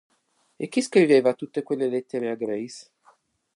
E chi scriveva tutte quelle lettere a Grace?